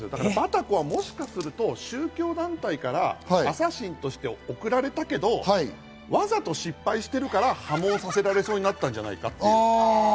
バタコは、もしかすると宗教団体からアサシンとして送られたけど、わざと失敗してるから破門させられそうになったんじゃないか。